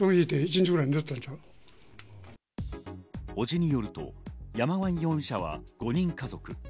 伯父によると、山上容疑者は５人家族。